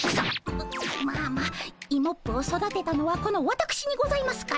ままあまあイモップを育てたのはこのわたくしにございますから。